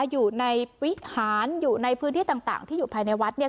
อยู่ในวิหารอยู่ในพื้นที่ต่างที่อยู่ภายในวัดเนี่ย